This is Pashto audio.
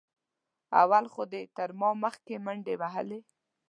اول خو دې تر ما مخکې منډې وهلې.